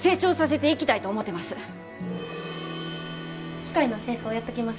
機械の清掃やっときます。